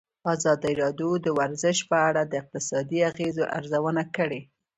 ازادي راډیو د ورزش په اړه د اقتصادي اغېزو ارزونه کړې.